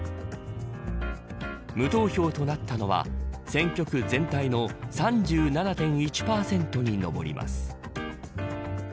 無投票となったのは選挙区全体の３７．１％にのぼります。